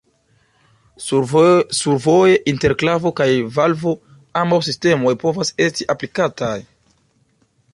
Survoje inter klavo kaj valvo ambaŭ sistemoj povas esti aplikataj.